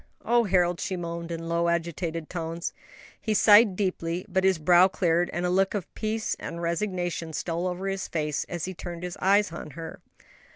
"Oh Harold!" she moaned, in low, agitated tones. He sighed deeply, but his brow cleared, and a look of peace and resignation stole over his face as he turned his eyes on her.